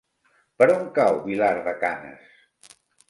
Per on cau Vilar de Canes?